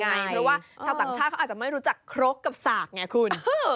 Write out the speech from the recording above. เพราะว่าชาวต่างชาติเขาอาจจะไม่รู้จักครกกับสากไงคุณ